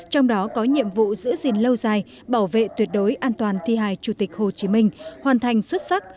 trong đó có nhiệm vụ giữ gìn lâu dài bảo vệ tuyệt đối an toàn thi hài chủ tịch hồ chí minh hoàn thành xuất sắc